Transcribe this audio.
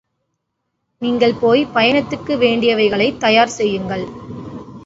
நீங்கள் போய் பயணத்துக்கு வேண்டியவைகளை தயார் செய்யுங்கள்.